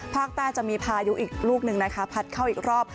ภาคใต้จะมีพายุอีกลูกหนึ่งนะคะพัดเข้าอีกรอบ